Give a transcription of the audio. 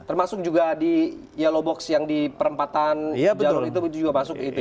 termasuk juga di yellow box yang di perempatan jalur itu juga masuk itu ya